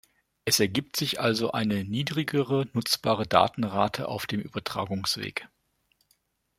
Es ergibt sich also eine niedrigere nutzbare Datenrate auf dem Übertragungsweg.